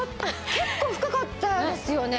結構深かったですよね。